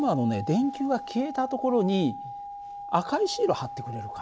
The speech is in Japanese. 電球が消えたところに赤いシール貼ってくれるかな。